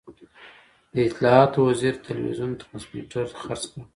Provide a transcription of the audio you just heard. د اطلاعاتو وزیر ټلوېزیون ټرانسمیټر خرڅ کړ.